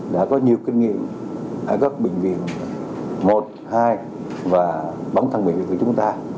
đã có nhiều kinh nghiệm ở các bệnh viện một hai và bóng thăng mỹ của chúng ta